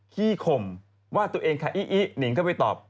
ขี้ข่มว่าตัวเองค่ะอี้อีนิงเข้าไปตอบ